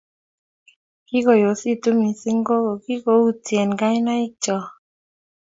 kikuyositu mising' gogoe kikuyutie kainaik cho